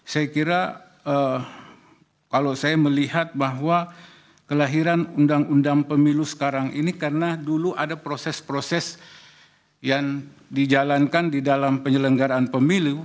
saya kira kalau saya melihat bahwa kelahiran undang undang pemilu sekarang ini karena dulu ada proses proses yang dijalankan di dalam penyelenggaraan pemilu